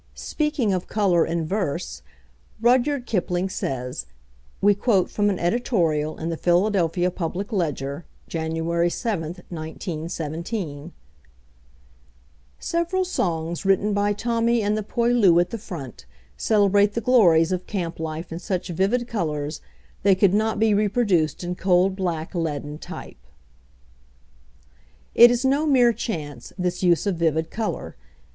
Speaking of colour in verse, Rudyard Kipling says (we quote from an editorial in the Philadelphia Public Ledger, Jan. 7, 1917): "Several songs written by Tommy and the Poilu at the front, celebrate the glories of camp life in such vivid colors they could not be reproduced in cold, black, leaden type." It is no mere chance, this use of vivid colour.